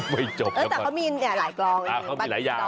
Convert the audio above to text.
ไม่จบแล้วถ้าเขามีหลายกรองอันนี้